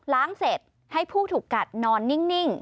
เสร็จให้ผู้ถูกกัดนอนนิ่ง